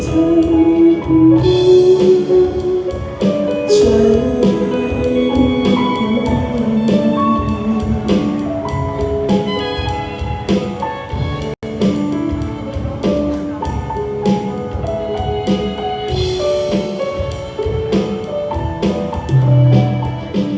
จะกลับไปหาและอยากจะทำให้เธอฟังดี